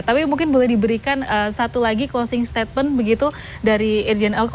tapi mungkin boleh diberikan satu lagi closing statement begitu dari irjen eko